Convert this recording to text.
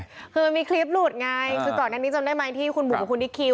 คือมีคลิปหลุดไงคือตอกแบบนี้จำได้ไหมที่คุณบุคคุณที่คิว